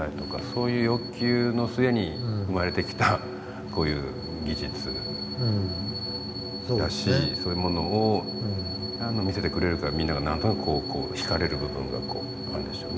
そういう欲求の末に生まれてきたこういう技術だしそういうものを見せてくれるからみんなが何となく惹かれる部分があるんでしょうね。